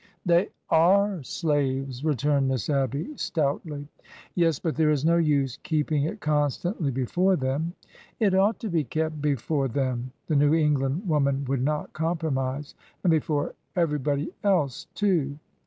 " They are slaves," returned Miss Abby, stoutly. " Yes, but there is no use keeping it constantly before them." " It ought to be kept before them !" The New Eng land woman would not compromise. " And before every body else too